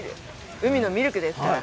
海のミルクですから。